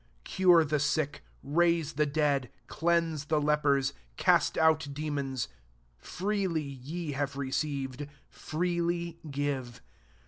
8 Cure the sick, raise the dead,] cleanse the le pers, cast out demons: freely ye have received, freely give.